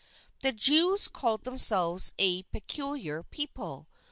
The Jews called themselves a "peculiar people."